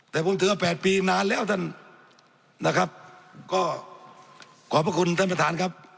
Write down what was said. แต่ผมถือว่าแปดปีนานแล้วท่านนะครับก็ขอบพระคุณท่านประธานครับ